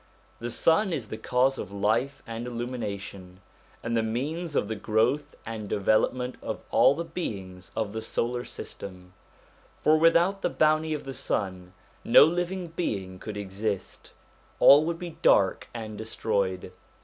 The sun is the cause of life and illumination, and the means of the growth and development of all the beings of the solar system; for without the bounty of the sun no living being could exist: all would be dark and destroyed.